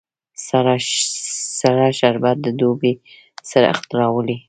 سړه شربت د دوبی سړښت راولي